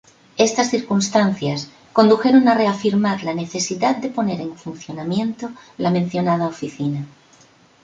Estas circunstancias condujeron a reafirmar la necesidad de poner en funcionamiento la mencionada Oficina.